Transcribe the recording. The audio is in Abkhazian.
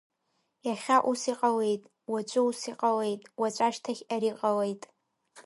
Иахьа ус иҟалеит, уаҵәы ус иҟалеит, уаҵәашьҭахь ари ҟалеит.